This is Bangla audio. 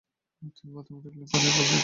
তিনি বাথরুমে ঢুকলেন পানির বালতির খোঁজে।